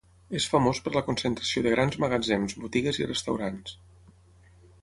És famós per la concentració de grans magatzems, botigues i restaurants.